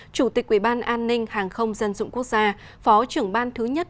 chủ tịch quỹ ban an ninh hàng không dân dụng quốc gia phó trưởng ban thứ nhất